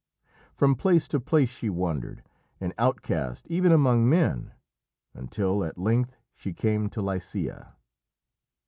From place to place she wandered, an outcast even among men, until, at length, she came to Lycia.